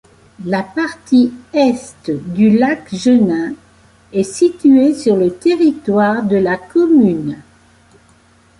La partie est du lac Genin est situé sur le territoire de la commune.